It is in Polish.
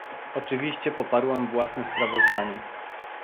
Oczywiście poparłam własne sprawozdanie